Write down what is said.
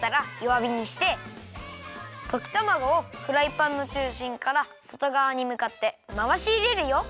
わびにしてときたまごをフライパンのちゅうしんからそとがわにむかってまわしいれるよ。